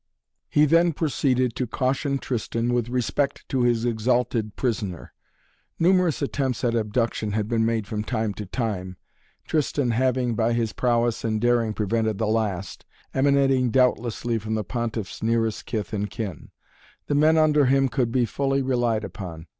He then proceeded to caution Tristan with respect to his exalted prisoner. Numerous attempts at abduction had been made from time to time, Tristan having, by his prowess and daring, prevented the last, emanating doubtlessly from the Pontiff's nearest kith and kin. The men under him could be fully relied upon.